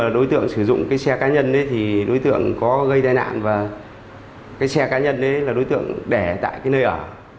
đối tượng sử dụng xe cá nhân đối tượng có gây tai nạn và xe cá nhân là đối tượng để tại nơi ở